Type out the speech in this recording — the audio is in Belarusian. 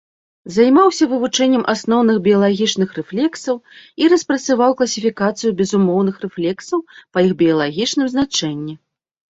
Займаўся вывучэннем асноўных біялагічных рэфлексаў і распрацаваў класіфікацыю безумоўных рэфлексаў па іх біялагічным значэнні.